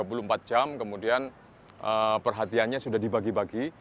sama semua dua puluh empat jam kemudian perhatiannya sudah dibagi bagi